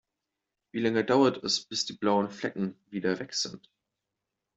Wie lange dauert es, bis die blauen Flecken wieder weg sind?